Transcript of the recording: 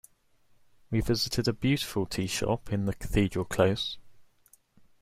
We visited a beautiful teashop in the Cathedral close.